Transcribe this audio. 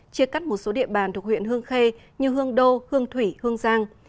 chia cắt một số địa bàn thuộc huyện hương khê như hương đô hương thủy hương giang